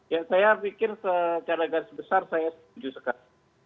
ya saya pikir secara garis besar saya sepujuh sekat